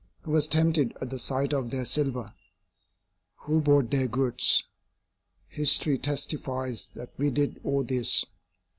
Who was tempted at the sight of their silver? Who bought their goods? History testifies that we did all this.